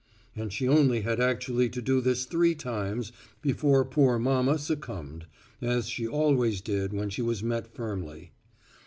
And she only had actually to do this three times before poor mama succumbed, as she always did when she was met firmly.